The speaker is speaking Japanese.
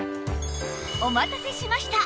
お待たせしました